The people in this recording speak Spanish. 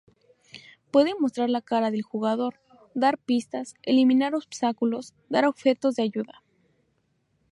Puede mostrar la cara del jugador, dar pistas, eliminar obstáculos, dar objetos de ayuda.